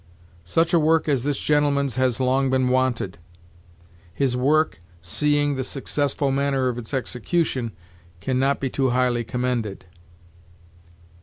Such a work as this gentleman's has long been wanted; his work, seeing the successful manner of its execution, can not be too highly commended.'